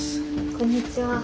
こんにちは。